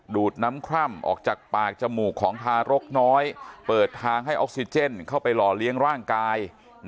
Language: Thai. ดูดน้ำคร่ำออกจากปากจมูกของทารกน้อยเปิดทางให้ออกซิเจนเข้าไปหล่อเลี้ยงร่างกาย